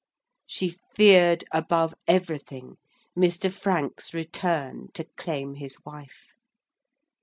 She feared above everything Mr. Frank's return to claim his wife.